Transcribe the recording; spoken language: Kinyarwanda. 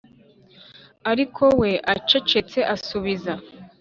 ariko we acecetse asubiza